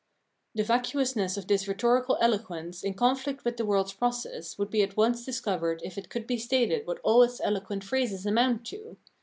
The vacuousness of this rhetorical eloquence in con flict with the world's process would be at once discovered if it could be stated what all its eloquent phrases amount to.